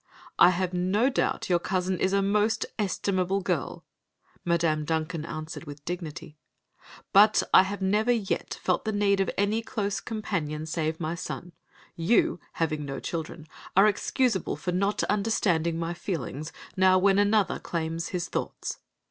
"I have no doubt your cousin is a most estimable girl," Madame Duncan answered, with dignity, "but I have never yet felt the need of any close companion save my son. You, having no children, are excusable for not understanding my feelings, now when another claims his thoughts."